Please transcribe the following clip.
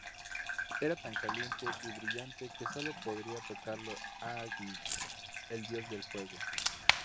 Era tan caliente y brillante que solo podía tocarlo Agni, el dios del fuego.